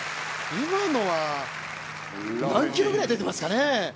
今のは、何キロぐらい出ていますかね？